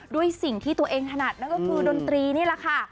ด้วยสิ่งที่ตัวเองถนัดนั่นก็คือดนตรีนี่แหละค่ะ